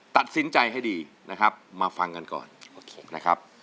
ตัดสินใจให้ดีนะครับมาฟังกันก่อนโอเคนะครับ